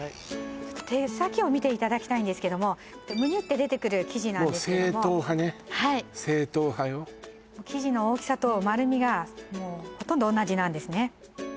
手先を見ていただきたいんですけどもムニュって出てくる生地ですけど正統派ね正統派よ生地の大きさと丸みがほとんど同じなんですね